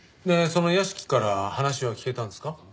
でその屋敷から話は聞けたんですか？